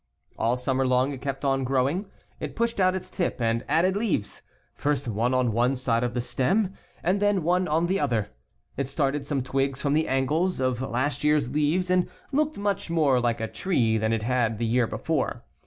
All summer long it kept on growing. It pushed out its tip and added leaves, first one on one side of the stem, and then one on the other. It started some' twigs from the angles of last year's leaves and looked much more like a tree than it had the year before.